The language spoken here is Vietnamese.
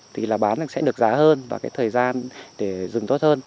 thì là bán sẽ được giá hơn và cái thời gian để rừng tốt hơn